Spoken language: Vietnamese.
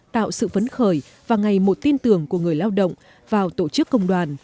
tạo sự phấn khởi và ngày một tin tưởng của người lao động vào tổ chức công đoàn